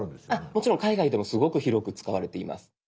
もちろん海外でもすごく広く使われています。